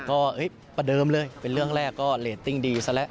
ก็ประเดิมเลยเป็นเรื่องแรกก็เรตติ้งดีซะแล้ว